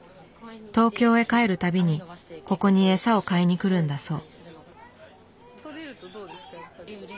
東京へ帰るたびにここに餌を買いに来るんだそう。